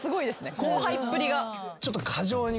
後輩っぷりが。